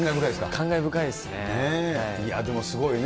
感慨深いですね。